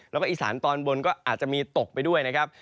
แล้วก็อีสานตอนบนก็อาจจะมีตกไปด้วยนะครับ